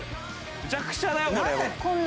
むちゃくちゃだよこれもう。